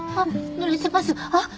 あっ。